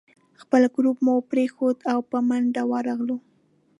خپل ګروپ مو پرېښود او په منډه ورغلو.